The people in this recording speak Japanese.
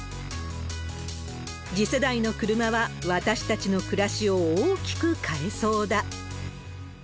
次世代の車は私たちの暮らしを大きく変えそうだ。